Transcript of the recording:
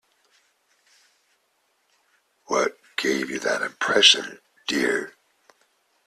What gave you that impression, dear?